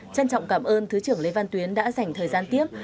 trân trọng cảm ơn thứ trưởng lê văn tuyến đã dành thời gian tiếp